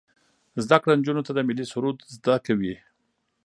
زده کړه نجونو ته د ملي سرود زده کوي.